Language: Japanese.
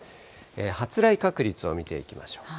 発雷確率を見ていきましょう。